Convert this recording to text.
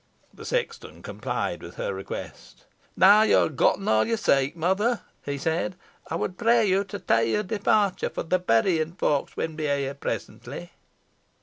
The sexton complied with her request. "Now yo ha' getten aw yo seek, mother," he said, "ey wad pray you to tay your departure, fo' the berrin folk win be here presently."